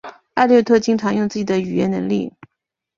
艾略特经常用自己的语言能力。